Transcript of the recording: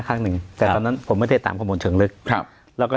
ครั้งหนึ่งแต่ตอนนั้นผมไม่ได้ตามข้อมูลเชิงลึกครับแล้วก็